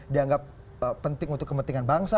dianggap penting untuk kepentingan bangsa